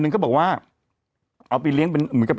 ความรู้